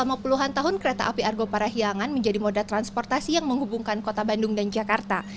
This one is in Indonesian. selama puluhan tahun kereta api argo parahiangan menjadi moda transportasi yang menghubungkan kota bandung dan jakarta